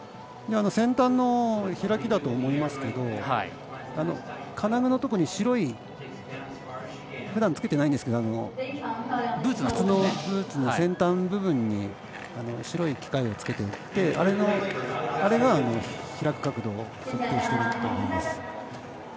先端の開きだと思いますが金具のところに白いふだんつけていないんですが靴の先端部分に白い機械をつけていてあれが開く角度を測定していると思います。